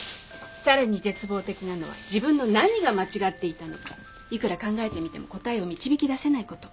さらに絶望的なのは自分の何が間違っていたのかいくら考えてみても答えを導きだせないこと。